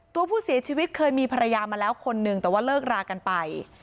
ตัวผู้เสียชีวิตเคยมีภรรยามาแล้วคนนึงแต่ว่าเลิกรากันไป